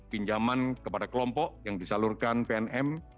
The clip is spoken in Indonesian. pinjaman kepada kelompok yang disalurkan pnm